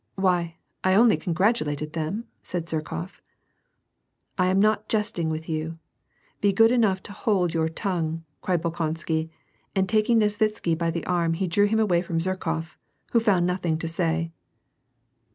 " Why, 1 only congratulated them !" said Zherkof. " I am not jesting with you ; be good enough to hold your tongue !" cried Bolkonsky, and taking Nesvitsky by the arm he drew him away from Zherkof, who found nothing to say.